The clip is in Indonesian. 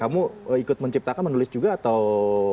kamu ikut menciptakan menulis juga atau